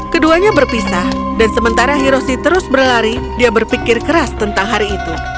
keduanya berpisah dan sementara hiroshi terus berlari dia berpikir keras tentang hari itu